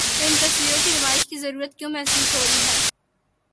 ان تصویروں کی نمائش کی ضرورت کیوں محسوس ہو رہی ہے؟